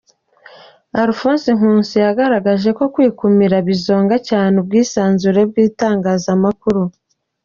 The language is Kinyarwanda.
Alphonse Nkusi yagagaje ko kwikumira bizonga cyane ubwisanzure bw’Itangazamakuru.